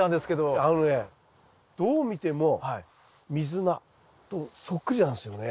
あのねどう見てもミズナとそっくりなんですよね。